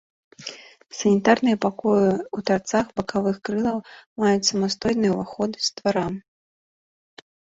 Санітарныя пакоі ў тарцах бакавых крылаў маюць самастойныя ўваходы з двара.